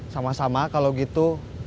sama sama kalau gitu